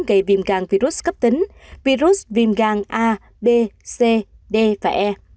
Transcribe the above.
gây viêm gan virus cấp tính virus viêm gan a b c d và e